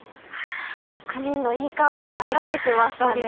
クミンのいい香りが立って来ましたね。